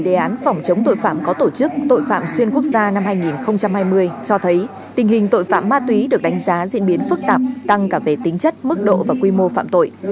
đề án phòng chống tội phạm có tổ chức tội phạm xuyên quốc gia năm hai nghìn hai mươi cho thấy tình hình tội phạm ma túy được đánh giá diễn biến phức tạp tăng cả về tính chất mức độ và quy mô phạm tội